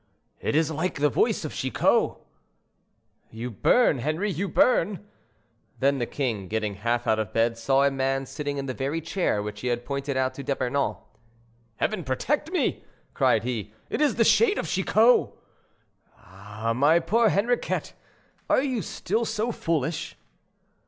"It is like the voice of Chicot." "You burn, Henri: you burn." Then the king, getting half out of bed, saw a man sitting in the very chair which he had pointed out to D'Epernon. "Heaven protect me!" cried he; "it is the shade of Chicot." "Ah! my poor Henriquet, are you still so foolish?"